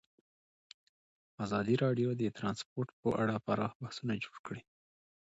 ازادي راډیو د ترانسپورټ په اړه پراخ بحثونه جوړ کړي.